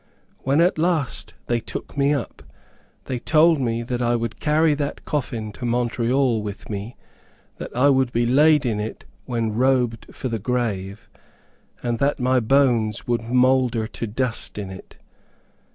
When at last they took me up, they told me that I would carry that coffin to Montreal with me that I would be laid in it when robed for the grave and that my bones would moulder to dust in it.